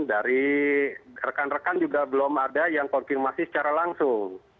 dari rekan rekan juga belum ada yang konfirmasi secara langsung